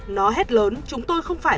nó hét lớn chúng tôi không phải